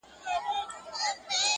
ما د سفر موزې په پښو کړلې له ياره سره~